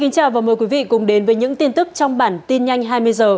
chào mừng quý vị đến với bản tin nhanh hai mươi h